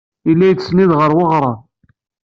Yella yettsennid ɣer weɣrab.